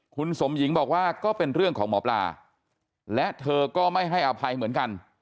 คุณสมหญิงบอกว่าก็เป็นเรื่องของหมอปลาและเธอก็ไม่ให้อภัยเหมือนกัน